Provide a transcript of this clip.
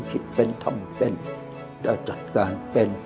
คิดเป็นทำเป็นเราจัดการเป็น